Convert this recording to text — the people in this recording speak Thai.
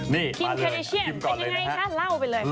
นี่มาเลยคิมแคดิเชียนไปยังไงคะเล่าไปเลยครับ